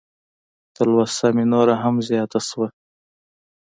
تلوسه مې نوره هم زیاته شوه.